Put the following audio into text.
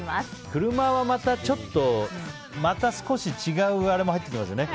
車はまたちょっと少し違うあれも入ってきますよね。